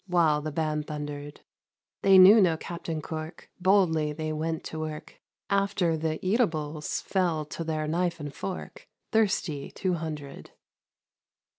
While the band thundered; They knew no " Captain Cork "— Boldly they went to work. After the eatables Fell to their knife and fork, — Thirsty Two Hundred